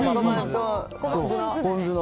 ポン酢の。